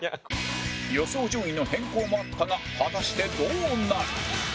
予想順位の変更もあったが果たしてどうなる？